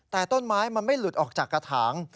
แต่ต้นไม้มันไม่หลุดออกจากกระถาง